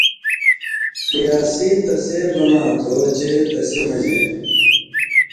قیاسی تسے بناں تھہ چے تسی مژ